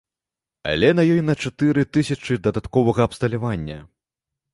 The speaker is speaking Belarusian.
Але на ёй на чатыры тысячы дадатковага абсталявання.